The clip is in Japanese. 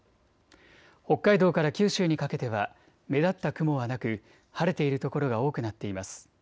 北海道から九州にかけては目立った雲はなく晴れている所が多くなっています。